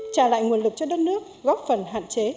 trả lại nguồn lực cho đất nước góp phần hạn chế